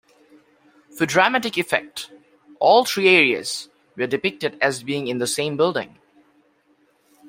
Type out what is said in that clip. For dramatic effect, all three areas were depicted as being in the same building.